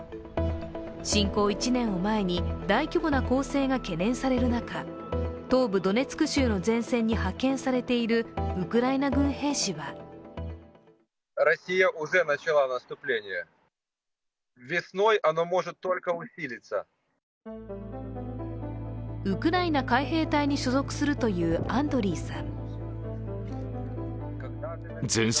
侵攻１年を前に大規模な攻勢が懸念される中、東部ドネツク州の前線に派遣されているウクライナ軍兵士はウクライナ海兵隊に所属するというアンドリーさん。